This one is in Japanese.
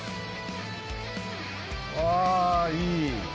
あいい。